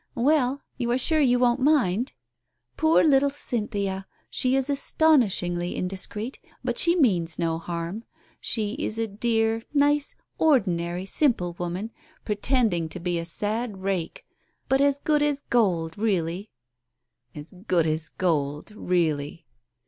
"Well, you are sure you won't mind? 'Poor little Cynthia, she is astonishingly indiscreet, but she means no harm. She is a dear, nice, ordinary simple woman, pretending to be a sad rake, but as good as gold, really '"" As good as gold, really